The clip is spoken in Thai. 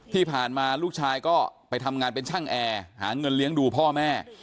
ที่ผ่านมาลูกชายก็ไปทำงานเป็นช่างแอร์หาเงินเลี้ยงดูพ่อแม่